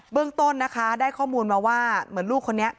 เรื่องต้นนะคะได้ข้อมูลมาว่าเหมือนลูกคนนี้